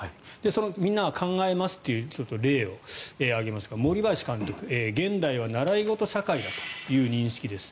みんな考えますという例を挙げますが、森林監督現代は習い事社会だという認識です。